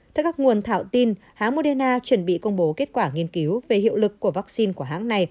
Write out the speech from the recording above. theo các nguồn thảo tin hãng moderna chuẩn bị công bố kết quả nghiên cứu về hiệu lực của vaccine của hãng này